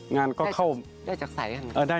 งานเข้าได้จากไศหรือไง